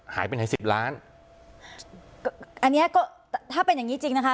หายไปไหนสิบล้านอันเนี้ยก็ถ้าเป็นอย่างงี้จริงนะคะ